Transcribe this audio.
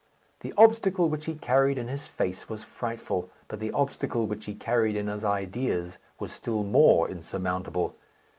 The obstacle which he carried in his face was frightful; but the obstacle which he carried in his ideas was still more insurmountable.